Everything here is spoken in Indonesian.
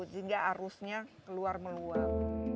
sehingga arusnya keluar meluap